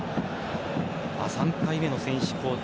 ３回目の選手交代。